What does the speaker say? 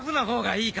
いいか？